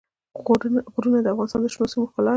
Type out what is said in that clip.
غرونه د افغانستان د شنو سیمو ښکلا ده.